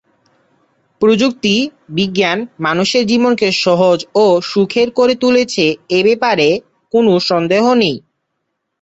প্রযুক্তি বিজ্ঞান মানুষের জীবনকে সহজ ও সুখের করে তুলেছে এব্যাপারে কোনো সন্দেহ নেই।